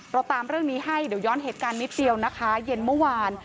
เราตามเรื่องนี้ให้เดี๋ยวย้อนเหตุการณ์นิดเดียวนะคะเย็นเมื่อวาน